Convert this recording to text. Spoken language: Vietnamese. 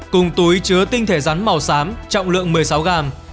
cùng túi chứa tinh thể rắn màu xám trọng lượng một mươi sáu gram